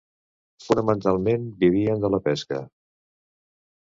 Fonamentalment vivien de la pesca.